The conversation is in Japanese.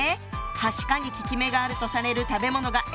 「はしか」に効き目があるとされる食べ物が描かれているわ。